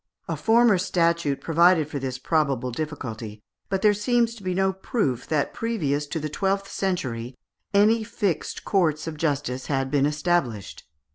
A former statute provided for this probable difficulty, but there seems to be no proof that previous to the twelfth century any fixed courts of justice had been established.